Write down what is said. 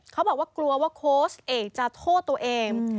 เขาบอกว่ากลัวว่าโค้ชเอกจะโทษตัวเอง